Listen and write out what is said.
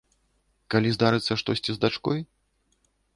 Калі здарыцца штосьці з дачкой?